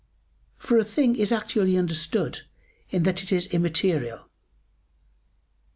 For a thing is actually understood in that it is immaterial.